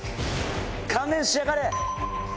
観念しやがれ！